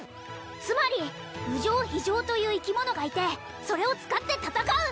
つまりうじょーひじょーという生き物がいてそれを使って戦う！